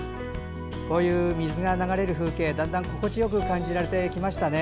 こういう水が流れる風景、だんだん心地よく感じられてきましたね。